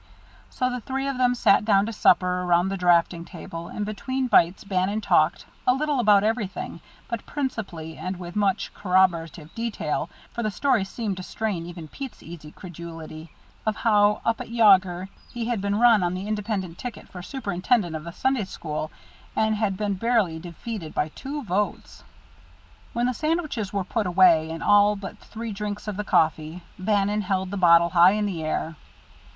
So the three of them sat down to supper around the draughting table, and between bites Bannon talked, a little about everything, but principally, and with much corroborative detail for the story seemed to strain even Pete's easy credulity of how, up at Yawger, he had been run on the independent ticket for Superintendent of the Sunday School, and had been barely defeated by two votes. When the sandwiches were put away, and all but three drinks of the coffee, Bannon held the bottle high in the air.